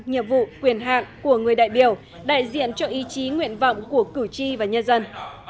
nhiệm vụ quyền hạng của người đại biểu đại diện cho ý chí nguyện vọng của cử tri và nhân dân